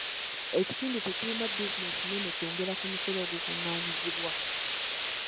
Ekitundu tekirina bizinensi nnene kwongera ku musolo ogukungaanyizibwa.